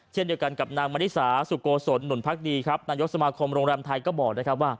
เช่นเดียวกันกับนมริสาสุโกศลหนุนพักดีนายกสมคมโรงแรมไทยก็บอก